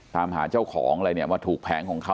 ตามหาเจ้าของอะไรเนี่ยมาถูกแผงของเขา